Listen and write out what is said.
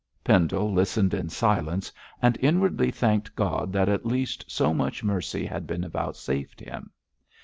Pendle listened in silence, and inwardly thanked God that at least so much mercy had been vouchsafed him.